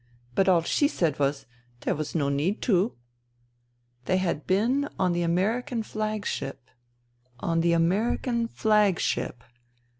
But all she said was, ' There was no need to.' '*" They had been on the American Flagship ... on the American Flagship.